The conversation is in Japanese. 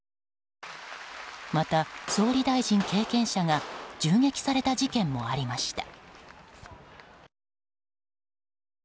また、総理大臣経験者が銃撃された事件もありました。